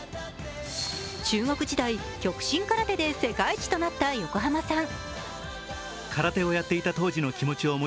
中学時代、極真空手で世界一となった横浜さん。